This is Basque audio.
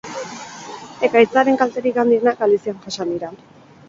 Ekaitzaren kalterik handienak Galizian jasan dira.